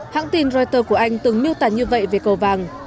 hãng tin reuters của anh từng miêu tả như vậy về cầu vàng